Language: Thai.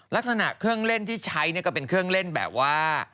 ลักษณะเครื่องเล่นที่ใช้ก็เป็นเครื่องเล่นแบบว่า